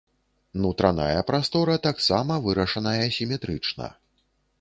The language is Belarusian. Нутраная прастора таксама вырашаная сіметрычна.